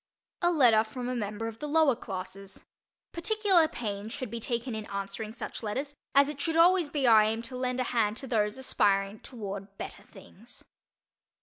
A Letter from a Member of the Lower Classes. Particular pains should be taken in answering such letters as it should always be our aim to lend a hand to those aspiring toward better things.